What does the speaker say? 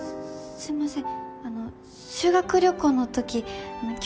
すいません。